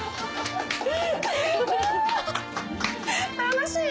楽しい。